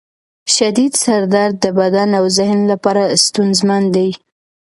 شدید سر درد د بدن او ذهن لپاره ستونزمن دی.